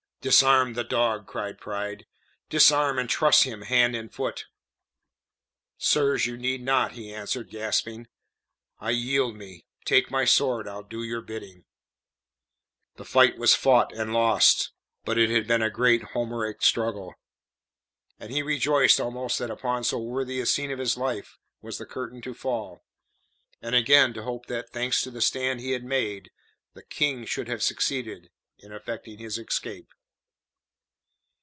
"Disarm the dog!" cried Pride. "Disarm and truss him hand and foot." "Sirs, you need not," he answered, gasping. "I yield me. Take my sword. I'll do your bidding." The fight was fought and lost, but it had been a great Homeric struggle, and he rejoiced almost that upon so worthy a scene of his life was the curtain to fall, and again to hope that, thanks to the stand he had made, the King should have succeeded in effecting his escape.